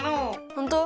ほんとう？